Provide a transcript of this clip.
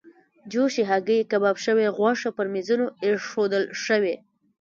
جوشې هګۍ، کباب شوې غوښه پر میزونو ایښودل شوې.